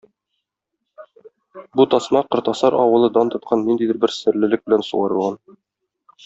Бу тасма Кортасар авылы дан тоткан ниндидер бер серлелек белән сугарылган...